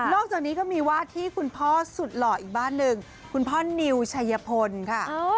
อกจากนี้ก็มีวาดที่คุณพ่อสุดหล่ออีกบ้านหนึ่งคุณพ่อนิวชัยพลค่ะ